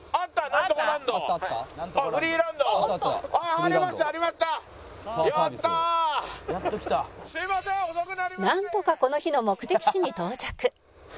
「なんとかこの日の目的地に到着」